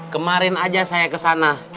kemarin aja saya kesana